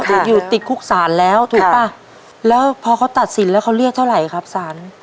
อยู่ติดคุกศาลแล้วถูกป่ะแล้วพอเขาตัดสินแล้วเขาเรียกเท่าไหร่ครับสาร